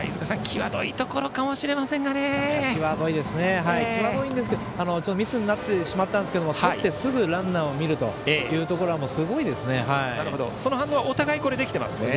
際どいんですけどミスになってしまったんですけどとってすぐランナーを見るというところはすごいですね。